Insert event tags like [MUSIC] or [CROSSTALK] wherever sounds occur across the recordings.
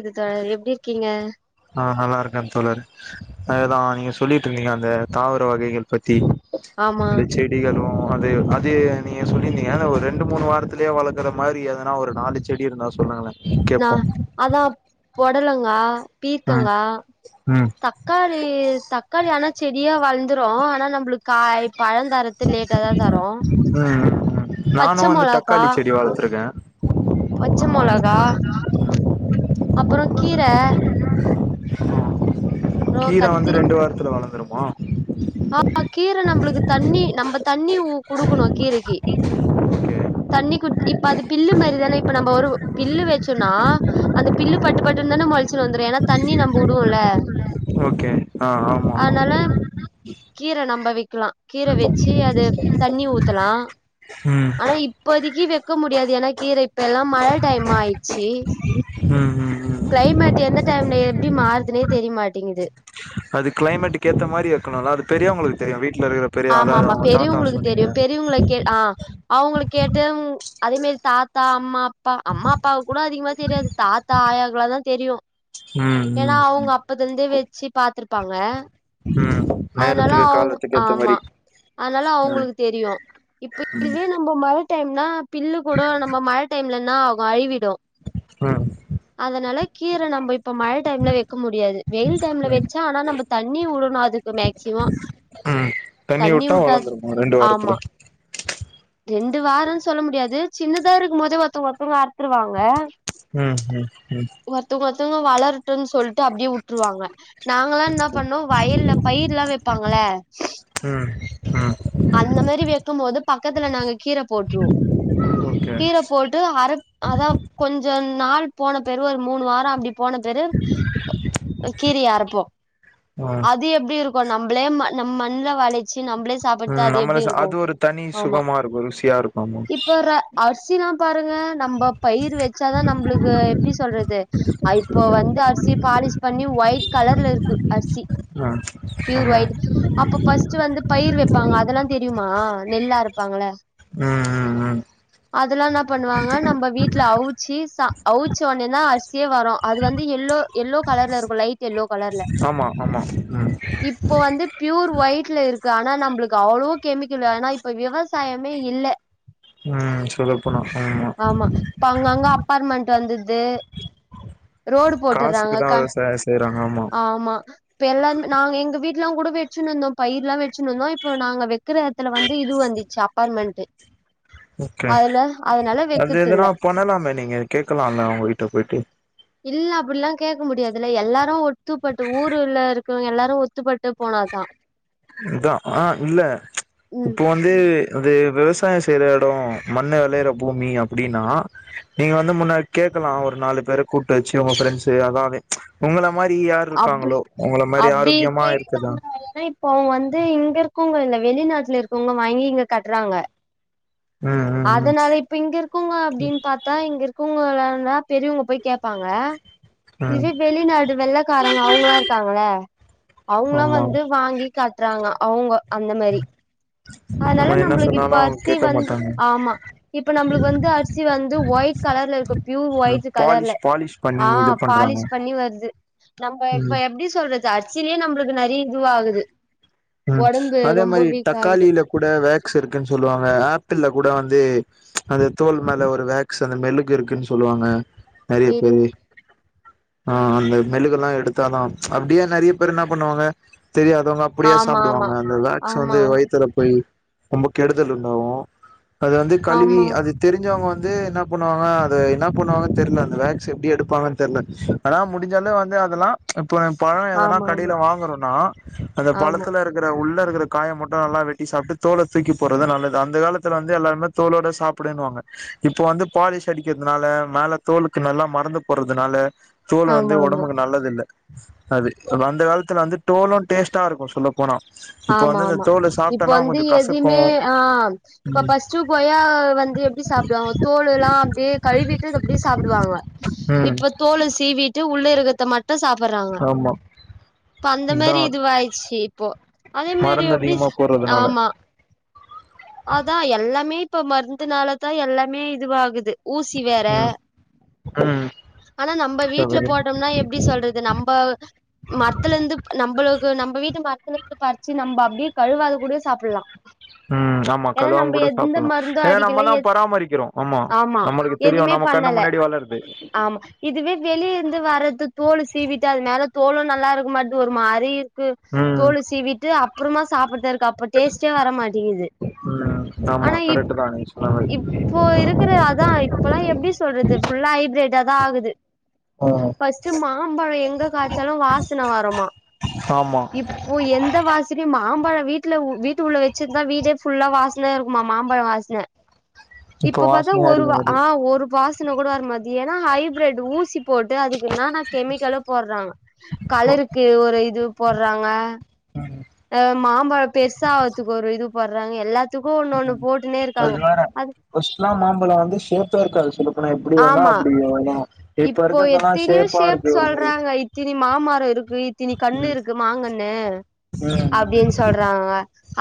இதுக்க எப்டி இருக்கீங்க? ஆ நல்லாருக்கே தோழர் அததா நீங்க சொல்லிட்ருந்தீங்க அந்த தாவர வகைகள் பத்தி ஆமா அந்த செடிகளு அது அ து நீங்க சொல்லிந்தீங்க த ஒர் ரெண்டு மூணு வாரத்துலயே வளக்குற மாரி எதனா ஒரு நாலு செடி இருந்தா சொல்லுங்களே நா கேப்போ அதா பொடலங்கா ம் பீர்க்கங்கா ம் தக்காளி தக்காளி ஆனா செடியா வள் த்துறோ ஆனா நம்ப்ளுக் காய் பழந்தரது லேட்டா தா தரு ம் ம் பச்ச நானு வந்து மொளகா தக்காளி செடி வளர்த்துருக்கே பச்ச ஆமா மொளகா ஆமா அப்பறோ கீர ஆ அப்றோ கீர வந்து கத்திரி ரெண்டு வாரத்துல வளர்ந்துரு ஆ ஆ கீர நம்மளுக்கு தண்ணி நம்ம தண்ணி குடுக்கணு கீரைக்கு ஓகே தண்ணி கு இப்ப அது பில்லு மேரிதான இப்ப நம்ம ஒரு பில்லு வச்சன்னா அந்த பில்லு பட்டுப்பட்டுன்னந்தான மொளச்சி வந்துரு ஏன்னா தண்ணி நம்ப உடுவோம்ல ஓகே ஆ ஆமா ஆமா கீர நம்ப விக் க்லா கீர வச்சி அத தண்ணி ஊத்தலா ம் ஆனா இப்போதி கீ வெக்க முடியாது ஏனா கீர இப்பல்லா மழ டைம் ஆயிச்சி ம் ம் ம் கிளைமேட் எந்த டைம்ல எப்பிடி மாறுதுனே தெரிமாடேங்குது அது கிளைமேட்டுக்கு ஏத்த மாரி வைக்கணுல்ல அது பெரியவங்களுக்கு தெரியு வீ ஆமா ஆமா பெரியவங்களுக்கு தெரியு பெரியவங்க கேள் ஆ அவுங்குளு கேட்டு அதே மேரி தாத்தா அம்மா ப்பா அம்மா அப்பா கூட அதிகமா தெரியாது தாத்தா ஆயாக் இவ்ளாதா தெரியு ம் ஏனா ம் ம் அவுங்க அப்பதுந்தே வெ சி பாத்துருப்பாங்க ம் அதனால நேரத்துக்கு அவுங் காலத்துக்கு ஏத்த மாரி ஆமா அதனால ம் அவுங்களுக்கு தெரியு இப்ப ம் இதுவே நம்ம மழ டைம் நா பில்லு கூடோ நம்ப மழ டைம்ல ன்னா ஆகு அய்வி டு ம் அதனால கீர நம்ப இப்ப மழ டைம்ல வெக்க முடியாது வெயில் டைம்ல ம் வச்சா ஆனா நம்ப தண்ணிவுடனு அது ம் தண்ணி உட்டா விட்டாது வளர்ந்துருக்கு ரெண்டு ஆமா வாரத்துல ரெண்டு வாரன் சொல்ல முடியாது சின்னதா இருக்கு மோதே ஒருத்தவங்க ஒருத்தவங்க அறுத்துருவாங்க ம் ம் ம் வளர் டுன் சொல்ட்டு அப்பிடியே உட்ருவாங்க நாங்களா என்னா பண்ணோ வயல்ல பயிர்லா வெப்பாங்கள ம் ம் அந்த மாரி வெக்கு போது பக்கத்துல நாங்க கீர போட்ருவோ ஓகே கீர போட்டு அர அதா கொஞ்ச நாள் போன பெருவு ஒரு மூணு வார அப்பிடி போன பெரு கீரிய அரப்போ ம் அது எப் திருக்கோ நம்பளே ம நம் மண்ணுல வலச்சி தி நம்பளே சாப்பறது ம் அது நம்மள எப்டி அது இருக்கும் ஒரு தனி ஆமா சுகமா இருக்கு ருசியா இருக்கு இப்போ ர அர்சிலா பாருங்க நம்ப பயிரு வச்சாதா நம்பளுக்கு எப்டி சொல்றது இப்ப வந்து அர்சி பாலி்ஸ் பண்ணி ஒய் கலர்ல இருக்கு அர்சி பியூர் ஆமா ஒய்ட் அப்ப பஸ்ட்டு வந்து பயிரு வெப்பாங்க அதல்லா தெரியுமா நெல்லு அரப் பாங்கள ம் ஆமா ம் ம் அதல்லா என்னா பண்ணுவாங்க நம்ப வீட்ல அவுச்சி ச அவச்ச ஒன்னேதா அரி சியே வரும் அது வந்து எல்லோ எல்லோ கலர்ல இருக்கும் லைட் எல்லோ கலர்ல ஆமா ஆமா ம் இப்போ வந்து பியூர் ஒயிட்ல இருக் கு ஆனா நம்பளுக்கு அவ்ளோ கெமிக்கல் ஆனா இப்ப விவசாயமே இல்ல ம் சொல்லப்போனா ஆமா இப்ப அங்கங்க அப்பார்மெண்ட்டு வந்துருது ரோடு காசுக்கு போட்டறாங்க தா க விவசாய செய்யறாங்க ஆமா எல்லாருமே நா எங்க வீட்லா கூட வெச்சினுந்தோ பயிர்லா வச்சினுருந்தோ இப்போ நாங்க வெ க்கிற எடத்துல வந்து இது வந்துச்சி அபார்ட்மெண்ட்டு ஓகே அது வெக்கத்தில்ல. எதுனா பண்ணலாமே நீங்க கேக்கலா இல்ல அவங்க கிட்ட போயிட்டு இல்ல அப்டிலா கேக்க முடியாதுல்ல எல்லாரு ஒத்துப்பட்டு ஊர் ருல்ல இருக்கவங்க எல்லாரு ஒத்துப்பட்டு போனாதா இதா ஆ இல்ல ம். இப்போ வந்து இந்து விவசாய செய்ற எடோ மண்ணு வெளயற பூமி அப்டின்னா நீங்க வந்து முன்னாடி கேக்கலா ஒரு நாலு பேர கூட்டு வச்சி உங்க ஃப்ரண்ட்ஸ் அல்லாமே உண்மதா மாரி யார் அப்டி இருக்காங்களோ ஒங்கள மாரி அப்டி ஆரோக்கியமா இருக்குதா து இங்க இருக்கவங்க இல்ல வெளிநாட்டுல இருக்கவங்க வாங்கி இங்க கட்டறாங்க ம் ம் அதனால இப்ப இங்க இருக்கவுங்க அப்டின் பாத்தா இங்க இருக்கவுங் இவங்கலாருந்தா பெரியவங்க போய் கேட்பாங்க ம் ம் இதுவே வெளிநாடு வெள்ள க்காரங்க அவங்களா இருக்காங்க இல்ல அவுங்களா ஆமா வந்து வாங்கி கட்றாங்க அ அவுங்க அந்த மேரி அதனால நம்ம என்ன நம்பளுக்கு இப்ப சொன்னாலு அரிசி கேக்க வந்து மாட்டாங்க ஆமா இப்ப நம்பளுக்கு வந்து அரிசி வந்து ஒயிட் கலர்ல இருக்கும் ப்யூர் ம் ஒயிட்டு கலர்ல பாலிஷ் பாலிஷ் ஆ பண்ணி இது பண்றாங்க பாலிஷ் பண்ணி வருது நம்ப ம் இப்ப எப்டி சொல்றது அரிசிலே நம்பளுக்கு நறயா இதுவாகுது ம் ஒடம்பு அதே ரொம்ப மாரி வீக் ஆகுது தக்காளியில கூட வேக்ஸ் இருக்குன் சொல்லுவாங்க ஆப்பிள்ள கூட வந்து அந்த தோல் மேல ஒரு வேக்ஸ் அந்த மெலுகு இருக்குன்னு சொல்லுவாங்க நறைய சேரி பேரு ஆ அந்த மெலுக எல்லா எடுத்தாதாஅ அப்டியே நறைய பேர் என்ன பண்ணுவாங்க தெரியாதவங்க அப்டியா ஆமா ஆமா சாப்டுவாங்க அந்த வேக்ஸ் வந்து ஆமா வயித்துல போய் ரொம்ப கெடுதல் உண்டாவும் அது வந்து கழுவி ஆமா அது தெரிஞ்சவுங்க வந்து என்ன பண்ணுவாங்க அது என்ன பண்ணுவாங்கன்னு தெரியல அந்த வேக்ஸ் எப்டி எடுப்பாங்கன்னு தெர்ல ஆனா முடிஞ்சளவு வந்து அதெல்லாம் இப்போ பழம் எதனா ஆமா ஆமா கடியில வாங்குறோம்னா அந்த ஆமா பழத் உள்ள இருக்கிற காய மட்டும் நல்லா வெட்டி சாப்ட்டு தோல தூக்கி போடுறது தான் நல்லது அந்த காலத்துல வந்து எல்லாருமே தோளோட சாப்டுன்னுவாங்க இப்ப வந்து பாலிஷ் அடிக்கிறதுனால மேல தோலுக்கு நல்லா மருந்து போடுறதுனால தோல் வந்து ஆமா ஆமா ஒடம்புக்கு நல்லது இல்ல அது அந்த காலத்துல வந்து தோலும் டேஸ்ட்டா இருக்கும் சொல்ல போனா இப்ப ஆமா வந்து இந்த ஆமா தோல இப்ப சாப்ட்டோனா வந்து கொஞ்சோ கசக்கு எதுமே ஆ இப்ப ம் பஸ்ட்டு கொய்யா வந்து எப்படி சாப்பிடுவாங்க தோல எல்லாம் அப்படியே கழுவிட்டு அப்படியே சாப்பிடுவாங்க ம் இப்ப தோல் சீவிட்டு உள்ள இருக்கத்தை மட்டும் சாப் பறாங்க ஆமா இப்ப அந்த இதா மாரி இதுவாயிச்சு இப்போ அதே மாரி மருந்து எப்டி அதிகமா போடுறதுனால ஆமா அதா எல்லாமே இப்ப மருந்துனால தான் எல்லாமே இதுவாகுது ஊசி வேற ம் ம் ஆனா நம்ம வீட்டுல சகோதரி போட்டோம்னா எப்படி சொல்றது நம்ம மரத்தல இருந்து நம்மளுக்கு நம்ம வீட்டு மர த்துல இருந்து பறிச்சு நம்ம அப்படியே கழுவாத கூட சாப்பிடலாம் ம் ஆமா கழுவாம கூட சாப்பிடலாம் மருந்து ஏன்னா அடிக்கல எ நம்மதான் பராமரிக்கிறோம் ஆமா நம்மளுக்கு தெரியும் எதுமே நம்ம கண்ணு பண்ணல முன்னாடி வளர்ருது ஆமா இதுவே வெளிய இருந்து வர்றது தோலு சீவிட்டு அது மேல தோலும் நல்லா இருக்கு மாட்டது ஒரு மாரி இருக் கு ம் தோல சீவிட்டு அப்புறமா சாப்பிடுது இருக்கு அப்ப டேஸ்ட்டே வர மாட்டிங்குது ம் ஆமா ஆனா இப் கரெக்ட் தா நீங்க சொன்ன மாரி இப்போ இருக்கிறது அதான் இப்பல்லாம் எப்படி சொல்றது ஃபுல்லா ஹைபிரட் இத தான் ஆகுது ம் ஃபர்ஸ்ட்டு மாம்பழம் எங்க காய்ச்சாலும் வாசனை வருமா ஆமா இப்போ எந்த வாசனையும் மாம்பழம் வீட்டுல வீட் ட்டு உள்ள வச்சிருந்தா வீடே ஃபுல்லா வாசனையா இருக்குமா மாம்பழம் வாசனை இப்ப பாத்தா வாசனையா ஒரு அடிக்கும்போது ஆ ஒரு வா சனை வார் மதி ஏன்னா ஹைப்ரிட் ஊசி போட்டு அதுக்குன்னா நான் கெமிக்கலும் போடுறாங்க கலருக்கு ஒரு இது போடுறாங்க ம் ஆ மாம்பழம் பெருசா ஆவதுக்கு ஒரு போடுறாங்க எல்லா உம் அது வேற பஸ்லா மாம்பழ வந்து சேப்பே இருக்காது அப்புனா எப்டி வேணா ஆமா அப்டி வேணு இப்ப இப்போ இருக்கதல்லா எத்தினியோ ஷேப்பா இருக்கு ஒரு மாரி இருக் இத்தனி கண்ணு ம் இருக்கு மாங்கண்ணு ம் அப்டின்னு சொல்றாங்க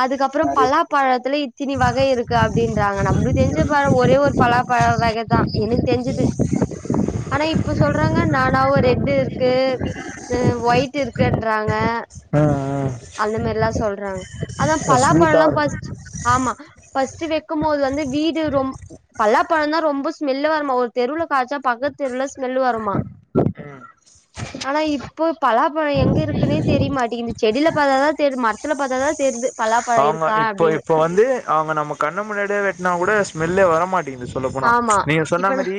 அதுக்கப்பறோ நெறைய பலாப்பழத்துல இத்திணி வகை இருக்கு அப்டின்றாங்க நம்மள தெரிஞ்ச பழ ஒரே ஒரு பலாப்பழ வகைதா எனக்கு தெரிஞ்சுது ஆனா இப்ப சொல்றாங்க நானாவு ரெ ன்டிர் க்கு ஒய்ட்டு இருக்குன்றாங்க ம் ம் அந்த மாதிரல்லா சொல்றாங்க அதா ஸ்வீட்டா பலாப்பழம்லா இருக்கு பஸ்ட்டுஆமா வச்சு வெக்கும் போது வந்து வீடு ரொம் பலாபழம் தா ரொம்ப ஸ்மெல்லு வருமா ஒரு தெருல காய்ச்ச பக்கத் தெருல ஸ்மெல்லு வருமா ம் ஆனா இப்போ பலாபழ எங்க இருக்குனே தெரியமாட்டேங்கு செடில பாத்தாதா மரத்துல பாத்தாதா தெர்து அவுங்க இப்போ இப்ப வந்து அவுங்க நம்ம கண்ணு முன்னாடியே வெட்னாக் கூட ஸ்மெல்லே வர மாட்டிய சொல்ல போனா ஆமா நீங்க சொன்ன இப்ப நா மாரி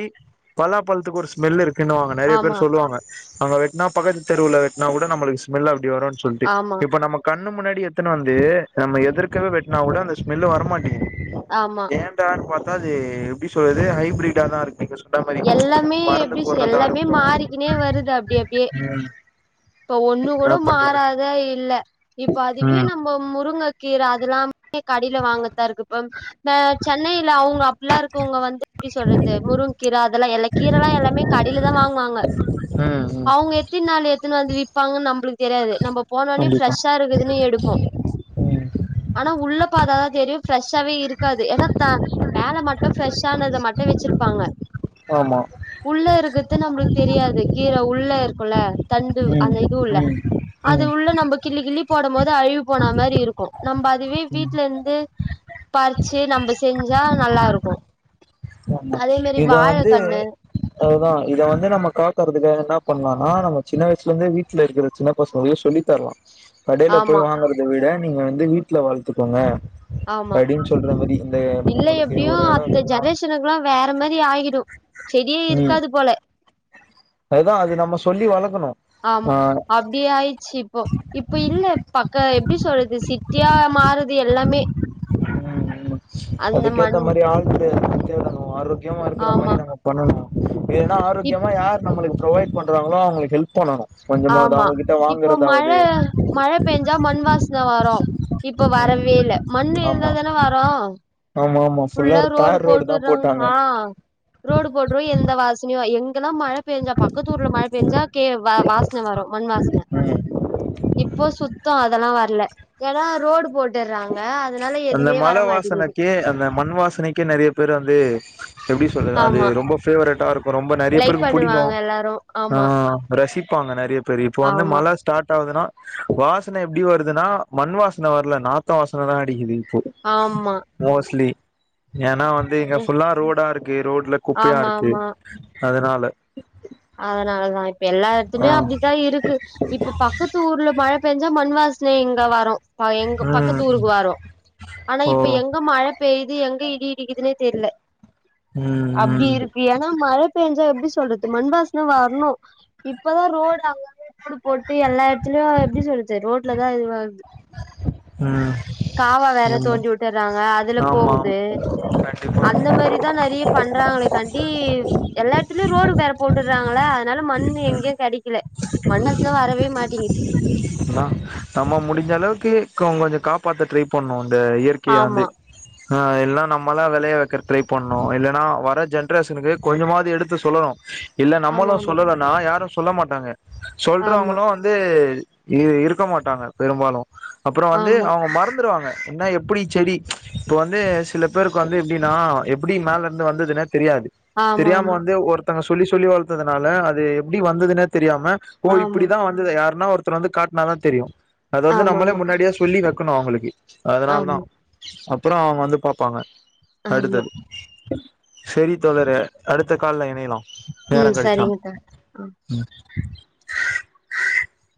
பலா பலா பழத்துக்கு ஒரு ஸ்மெல் இருக்கு கின்டுவாங்க நெறய பேர் ஆமா சொல்லுவாங்க அங்க வ நா பக்கத்து தெருவுல வெட்டுனா கூட நம்மளுக்கு ஸ்மெல் வருனு சொல்ட்டு ஆமா இப்ப நம்ம கண் கண்ணு முன்னாடி எடுத்துனு வந்து நம்ம எதிர்க்கவே வெட்னா கூட அந்த ஸ்மெல் வரமாட்டேங்குது ஆமா ஏன்டானு பாத் அதாவது எப்டி சொல்றது ஹைபிரிடா தா இருக்கு நீங்க சொன்ன மாரி எல்லாமே மருந்து எப்டி போடுறதா எல்லாமே இருக்கட்டு மாறிக்கினே வருது அப்டி அப்டியே ம் இப்ப ஒன்னு கூட என்ன பண்றது மாறாத இல்ல இப்ப அதுவே ம் நம்ம முருங்கக்கீர அதெல்லாமே கடயில வாங்றத்தா இருக்கு இப்போ சென்னையில அவுங்க அப்டில்லா இருக்கவங்க வந்து எப்டி சொல்றது முருங்கக்கீர அதெல்லா எல்லா கீர எல்லாமே கடையிலதா வாங்குவாங்க ம் ம் அவுங்க எத்தின் நாலு வந்து விப்பாங்கனு நம்மளுக்கு தெரியாது நம்ம போனோனே கண்டிப்பா ஃப்ரஷா இருக்குதுன்னு எடுப்போ ம் ஆனா உள்ள பாத்தாதா தெரியு ஃப்ரெஷ்ஷாவே இருக்காது ஏன்னா த மேல மட்டு ஃப்ரெஷ்ஷானத மட்டு வெச்சிருப்பாங்க ஆமா உள்ள இருக்கது நம்மளுக்கு தெரியாது கீர உள்ள இருக்குல தண்டு ம் அந்த இதுவுள்ள ம் அது ம் உள்ள நம்ம கிள்ளி கிள்ளி போடும் போது அழிவு போன மாரி இருக்கு நம்ப அதுவே ம் வீட்ல இருந்து பறிச்சு நம்ம செஞ்சா நல்லா இருக்கு அதே மாரி இத வந்து வாழக்கண்ணு அதுதா இத வந்து நம்ம காக்குறதுக்கு என்னா பண்ணலனா நம்ம சின்ன வயசுலேந்து வீட்ல இருக்கிற சின்ன பசங்களுக்கு சொல்லி தரலா கடேயில ஆமா போய் வாங்குறத விட நீங்க வந்து வீட்ல வளத்துக்கோங்க ஆமா படின்னு சொல்ற மாரி இந்த இல்ல ஒங்களுக்கு ஒரு இடோ இருந்ததுனா ஆயிரும் செடியே இருக்காது போல அப்பதா அது நம்ம சொல்லி வளக்கணு ஆமா ஆ அப்டி ஆயிடுச்சு இப்போ இப்ப இல்ல பக்க எப்டி சொல்றது சிட்டியா மாறது இது எல்லாமே அந்த அதுக்கேத்த மண் மாரி ஆளுங்க தேடணு ஆரோக்கியமா இருக்க மாரி ஆமா நாங்க பண்ணணு ஏன்னா இப் ஆரோக்கியமா யா நம்ளுக்கு பொரவைட் பண்றங்களோ அவுங்களுக்கு ஹெல்ப் பண்ணனு ஆமா இப்ப மழ மழ பேஞ்சா மண் வாசன வரு இப்ப ம் வரவே இல்ல மண் ஆமா இருந்தா தான வரோ ஆமா ஆமா ஃபுல்லா ரோடு தார் தா போட்டுறாங்க போட்டாங்க ஆ ரோடு போட்டுறோ எந் எந்த வாசனயு எங்க எங்கல்லா மழ பேஞ்சா பக்கத்தூர்ல மழ பேஞ்சா கே வாசன வரு மண் வாசன ம் இப்போ சுத்தோ அதெல்லா வரல ஏடோ ரோடு போட் விட்டுறாங்க அதனால அந்த எதுவுமே மழ வர மாட்டேங்குது வாசனைக்கே அந்த மண் வாசனைக்கே நெறய பேர் வந்து எப்டி சொல்றது அது ஆமா ரொம்ப பேவரட்டா இருக்கு இப்ப ரொம்ப நெறய லைக் பேருக்கு புடிக்கு பண்ணுவாங்க எல்லாரு ஆ ஆமா ரசிப்பாங்க நெறய பேரு இப்ப வந்து ஆமா மழ ஸ்டார்ட் ஆகுதுனா வாசன எப்டி வருதுன்னா மண் வாசன வரல நாத்த த்த வாசன தா அடிக்குது ஆமா மோஸ்ட்லி ஏன்னா வந்து இங்க ம் ஃபுல்லா ரோடா இருக்கு ரோட்ல குப்பையா ஆமா இருக்கு ஆமா அதனால அதனாலதா இப்ப எல்லா எடத்துலயு ஆ அப்டித்தா இருக்கு இப்ப பக்கத்து ஊர்ல மழ பேஞ்சா மண் வாசன இங்க வரு பாயு எங்க பக்கத்து ம் ஊருக்கு வாரு ஆனா ஓ இப்ப எங்க மழ பேய்து எங்க இடி இடிக்குதுனே தெர்ல அப்டி ம் இருக்கு ஏன்னா மழ பேஞ்சா எப்டி சொல்றது மண்வா சன வரணு இப்பதா ரோடு அங்கங்க ரோடு போட்டு எல்லா எடத்துலயு எப்டி சொல்றது ரோட்லதா இதுவாகுது ம் ம் காவா வேற ஆமா தோண்டி விட்டுறாங்க அ இதுல ஆமா போகுது கண்டிப்பா அந்த மாரி தா நெறய பண்றாங்களக்காண்டி எல்லா ஏடத்துலயு ரோடு வேற போட்டு டுறாங்கள அதனால மண்ணு எங்கேயே கெடைக்க இல்ல மண்வாசன வரவே மாட்டேங்குது நம்ம முடிஞ்ச அளவுக்கு கொஞ்சோ காப்பாத்த ட்ரை பண்ணுவோ இந்த இயற்கைய வந்து ஆமா ஆ எல்லாம் நம்மளா வெளய வெக்கற ட்ரை பண்ணனு இல்லைன்னா வர ஜென்ரேஷனுக்கு கொஞ்சமாவது எடுத்து சொல்லணு இல்ல ஆமா நம்மளு ஆமா சொல்லனா யாரு சொல்ல மாட்டாங்க சொல்றவங்களு வந்து இரு இருக்க மாட்டாங்க பெரும்பாலு அப்புறோ வந்து ஆமா ஆமா அவூங்க மறந்துருவாங்க என்னா எப்டி செடி இப்ப வந்து சில பேருக்கு வந்து எப்டின்னா எப்டி மேல இருந்து வந்ததுன்னே தெரியாது தெரியாம வந்து ஒருத்தவங்க சொன் சொல்லி சொல்லி வளத்ததுனால அது எப்டி வந்ததுனே தெரியாம ஓ ஆமா ஆமா இப்டிதா வந்தது யருன்னா ஒரு அப்றோ வந்து காட்னாதா தெரியு அது ஆமா வந்து ஆமா நம்மள ஆமா முன்னாடியா சொல்லி காட் இருக்கனும் அவுங்களுக்கு அதனால தான் ஆமா அப் அப்புறம் அவுங்க வந்து பார்ப்பாங்க ஆமா அடுத்தது சேரி தோழரே அடுத்த கால் லயன் போயரலாம் ம் நேரம் கெடச்சா சரிங்கக்கா ஆ ம் [INAUDIBLE]